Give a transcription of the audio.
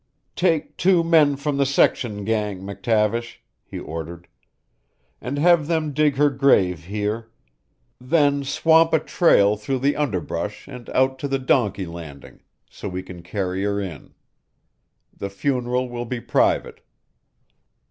"Take two men from the section gang, McTavish," he ordered, "and have them dig her grave here; then swamp a trail through the underbrush and out to the donkey landing, so we can carry her in. The funeral will be private."